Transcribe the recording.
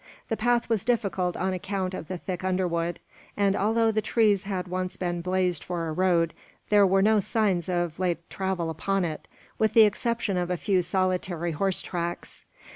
The path was difficult on account of the thick underwood; and although the trees had once been blazed for a road, there were no signs of late travel upon it, with the exception of a few solitary horse tracks.